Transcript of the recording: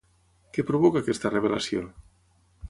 Què provoca aquesta revelació?